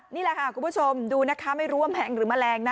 นี่แหละค่ะคุณผู้ชมดูนะคะไม่รู้ว่าแงงหรือแมลงนะ